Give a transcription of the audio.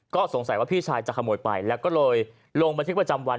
ก็สงสัยว่าพี่ชายจะขโมยไปแล้วก็เลยลงบันทึกประจำวัน